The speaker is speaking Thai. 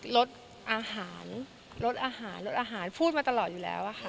ลดอาหารลดอาหารลดอาหารพูดมาตลอดอยู่แล้วค่ะ